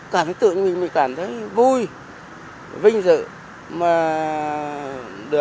cảm thấy tự nhiên mình cảm thấy vui vinh dự